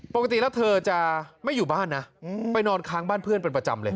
ปกติแล้วเธอจะไม่อยู่บ้านนะไปนอนค้างบ้านเพื่อนเป็นประจำเลย